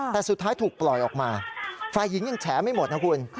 แต่สุดท้ายถูกปล่อยออกมาฝ่ายหญิงยังแฉไม่หมดนะคุณ